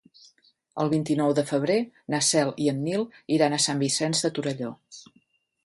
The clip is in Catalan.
El vint-i-nou de febrer na Cel i en Nil iran a Sant Vicenç de Torelló.